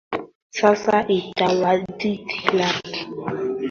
sasa itawabidi labda wataambiwa wajitetee wakijitetea watajitetea kisheria